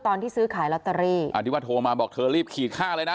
ซื้อขายลอตเตอรี่อ่าที่ว่าโทรมาบอกเธอรีบขี่ค่าเลยนะ